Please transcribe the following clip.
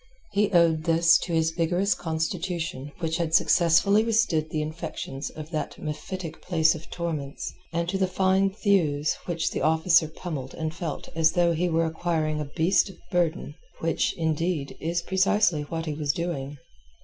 He owed this to his vigorous constitution which had successfully withstood the infections of that mephitic place of torments, and to the fine thews which the officer pummelled and felt as though he were acquiring a beast of burden—which, indeed, is precisely what he was doing.